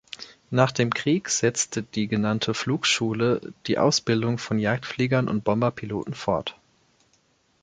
Nach dem Krieg setzte die genannte Flugschule die Ausbildung von Jagdfliegern und Bomberpiloten fort.